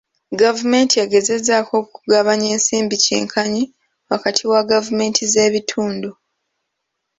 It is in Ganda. Gavumenti egezezzaako okugabanya ensimbi kyenkanyi wakati wa gavumenti z'ebitundu.